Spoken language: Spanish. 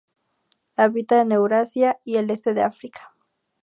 Habita en Eurasia y el este de África.